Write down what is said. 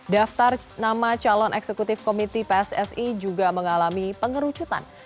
daftar nama calon eksekutif komiti pssi juga mengalami pengerucutan